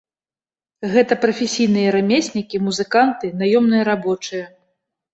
Гэта прафесійныя рамеснікі, музыканты, наёмныя рабочыя.